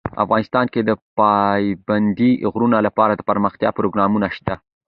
افغانستان کې د پابندی غرونه لپاره دپرمختیا پروګرامونه شته.